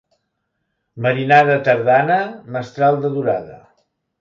Marinada tardana, mestral de durada.